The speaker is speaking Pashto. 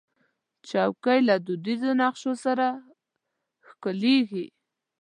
چوکۍ له دودیزو نقشو سره ښکليږي.